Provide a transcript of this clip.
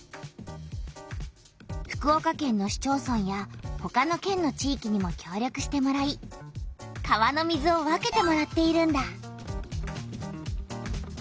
福岡県の市町村やほかの県の地いきにもきょう力してもらい川の水を分けてもらっているんだ。